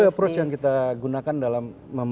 approach yang kita gunakan dalam